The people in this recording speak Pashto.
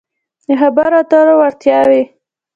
-د خبرو اترو وړتیاوې